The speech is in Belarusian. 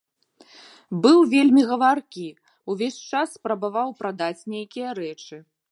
Быў вельмі гаваркі, увесь час спрабаваў прадаць нейкія рэчы.